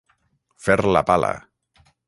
Fer la pala.